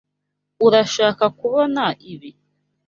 Urashaka kubona ibi?